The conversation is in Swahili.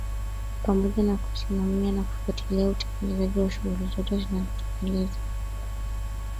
pamoja na kusimamia na kufuatilia utekelezaji wa shughuli zote zinazotekelezwa